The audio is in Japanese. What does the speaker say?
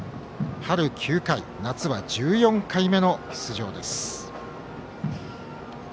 春９回、夏は１４回目の出場です。